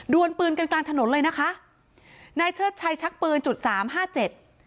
วนปืนกันกลางถนนเลยนะคะนายเชิดชัยชักปืนจุดสามห้าเจ็ด